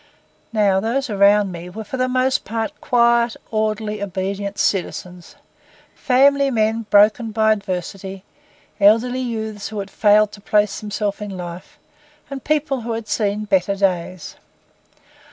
Now those around me were for the most part quiet, orderly, obedient citizens, family men broken by adversity, elderly youths who had failed to place themselves in life, and people who had seen better days.